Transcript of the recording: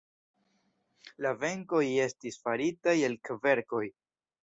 La benkoj estis faritaj el kverkoj.